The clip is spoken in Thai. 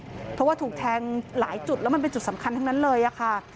เพราะว่าถูกแทงหลายจุดแล้วมันเป็นจุดสำคัญทั้งนั้นเลยค่ะ